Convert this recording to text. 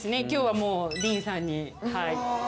今日はもうディーンさんにはい。